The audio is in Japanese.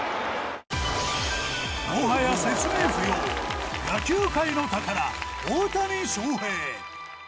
もはや説明不要野球界の宝大谷翔平。